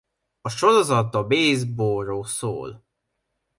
A sorozat a baseballról szól.